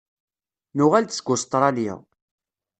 Nuɣal-d seg Ustṛalya.